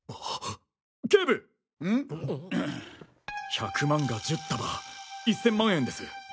１００万が１０束１０００万円です。